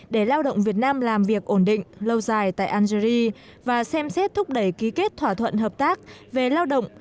để lao động việt nam làm việc ổn định lâu dài tại algeria và xem xét thúc đẩy ký kết thỏa thuận hợp tác về lao động